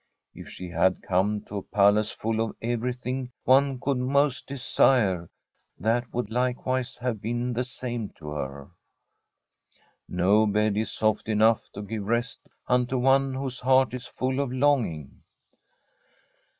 If she had come to a palace full of everything one could most desire, that would likewise have been the same to her. No bed is soft enough to give rest unto one whose heart is full of longing.